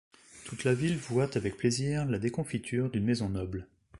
Toute la ville voit avec plaisir la déconfiture d’une maison noble.